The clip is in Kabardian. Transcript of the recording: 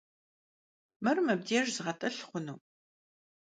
Mır mıbdêjj zğet'ılh xhunu?